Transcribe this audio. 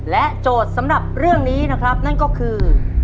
โจทย์สำหรับเรื่องนี้นะครับนั่นก็คือ